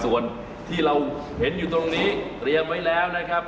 ส่วนที่เราเห็นอยู่ตรงนี้เตรียมไว้แล้วนะครับ